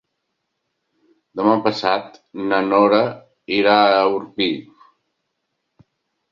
Demà passat na Nora irà a Orpí.